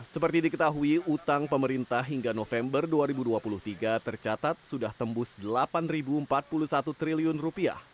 seperti diketahui utang pemerintah hingga november dua ribu dua puluh tiga tercatat untuk menurunkan rasio utang pemerintah